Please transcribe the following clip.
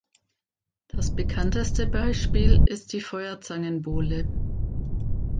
Das bekannteste Beispiel ist die Feuerzangenbowle.